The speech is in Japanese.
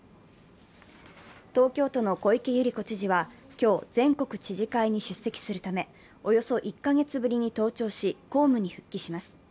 東京都の小池百合子知事は今日、全国知事会に出席するためおよそ１カ月ぶりに登庁し、公務に復帰します。